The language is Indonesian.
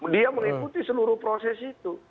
dia mengikuti seluruh proses itu